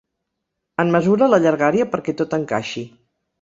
En mesura la llargària perquè tot encaixi.